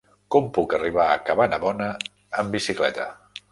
Com puc arribar a Cabanabona amb bicicleta?